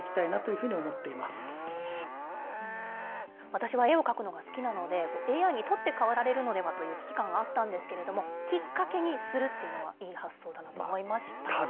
私は絵を描くのが好きなので、ＡＩに取って代わられるのではという危機感があったんですけれども、きっかけにするっていうのは、いい発想だと思いました。